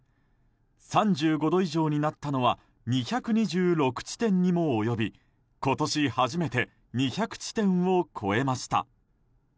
３５度以上になったのは２２６地点にもおよび今年初めて２００地点を超えました。